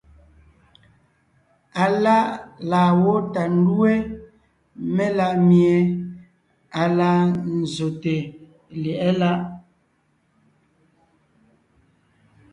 Aláʼ laa gwó tà ńdúe melaʼmie à laa nzsòte lyɛ̌ʼɛ láʼ.